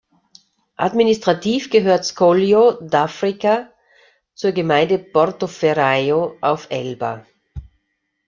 Administrativ gehört Scoglio d’Affrica zur Gemeinde Portoferraio auf Elba.